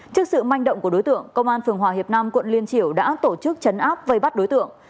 trước sự manh động của đối tượng công an phường hòa hiệp nam quận liên triểu đã tổ chức chấn áp vây bắt đối tượng